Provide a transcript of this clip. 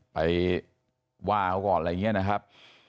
ไปว่าเขาก่อนอะไรอย่างนี้นะครับ